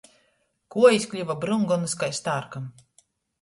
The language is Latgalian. Kuojis kliva bryungonys kai starkam.